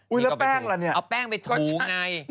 อุ๊ยแล้วแป้งละเนี่ย